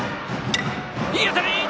いい当たり！